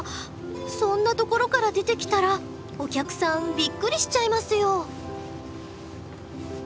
そんなところから出てきたらお客さんびっくりしちゃいますよ！